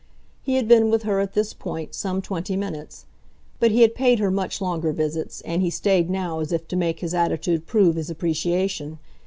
He had been with her, at this point, some twenty minutes; but he had paid her much longer visits, and he stayed now as if to make his attitude prove his appreciation.